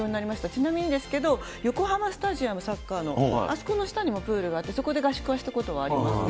ちなみにですけど、横浜スタジアム、サッカーの、あそこの下にもプールがあって、そこで合宿はしたことはありますね。